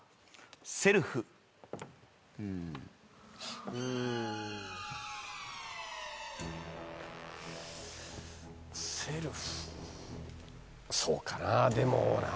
「セルフ」そうかなでもな。